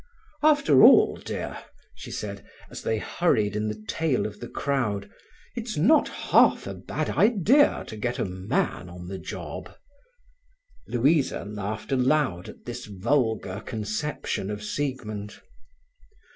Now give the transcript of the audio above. "After all, dear," she said, as they hurried in the tail of the crowd, "it's not half a bad idea to get a man on the job." Louisa laughed aloud at this vulgar conception of Siegmund.